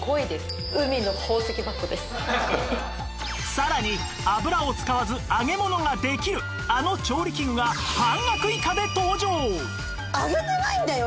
さらに油を使わず揚げ物ができるあの調理器具が半額以下で登場！